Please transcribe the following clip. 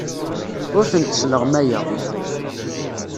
Ur tent-sleɣmayeɣ.